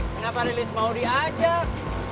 kenapa lilis mau diajak